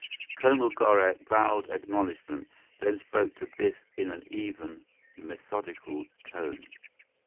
Colonel Gorak bowed acknowledgment, then spoke to Biff in an even, methodical tone.